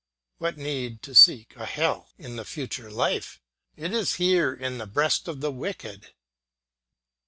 What need to seek a hell in the future life? It is here in the breast of the wicked.